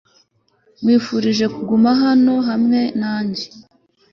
Nkwifurije kuguma hano hamwe nanjye